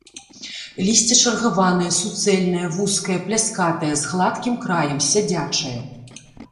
Лісце чаргаванае, суцэльнае, вузкае, пляскатае, з гладкім краем, сядзячае.